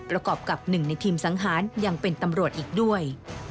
ประกอบกับหนึ่งในทีมสังหารยังเป็นตำรวจอีกด้วย